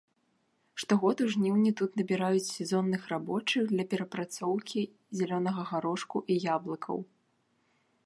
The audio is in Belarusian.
Штогод у жніўні тут набіраюць сезонных рабочых для перапрацоўкі зялёнага гарошку і яблыкаў.